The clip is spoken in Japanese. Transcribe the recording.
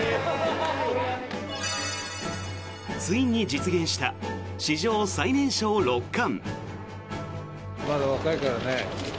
ついに実現した史上最年少六冠。